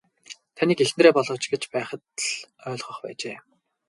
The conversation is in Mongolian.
Таныг эхнэрээ болооч гэж байхад л ойлгох байжээ.